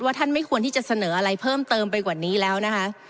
ท่านไม่ควรที่จะเสนออะไรเพิ่มเติมไปกว่านี้แล้วนะคะ